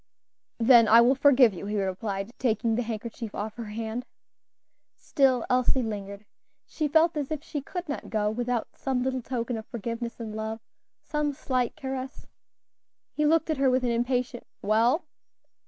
"Then I will forgive you," he replied, taking the handkerchief off her hand. Still Elsie lingered. She felt as if she could not go without some little token of forgiveness and love, some slight caress. He looked at her with an impatient "Well?"